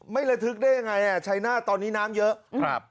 ไม่ระทึกได้ยังไงชายนาฏตอนนี้น้ำเยอะ